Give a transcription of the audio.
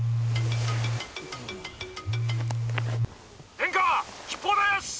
「殿下吉報です！